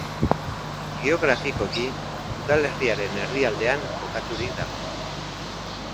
Geografikoki udalerriaren erdialdean kokaturik dago.